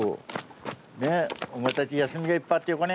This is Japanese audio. ねえお前たち休みがいっぱいあってよかね。